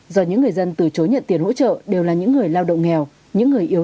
do những người dân từ chối nhận tiền hỗ trợ đều là những người lao động nghèo